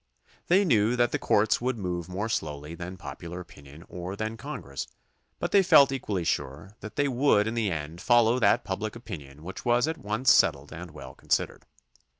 They knew that the courts would move more slowly than popular opinion or than Congress, but they felt equally sure that they would in the end follow that public opinion which was at once settled and well considered.